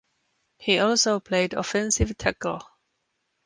He also played offensive tackle.